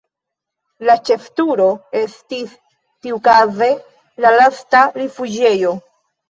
La ĉefturo estis tiukaze la lasta rifuĝejo.